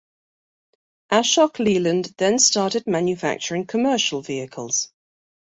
Ashok Leyland then started manufacturing commercial vehicles.